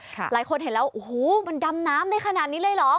หลายคนเห็นแล้วโอ้โหมันดำน้ำได้ขนาดนี้เลยเหรอ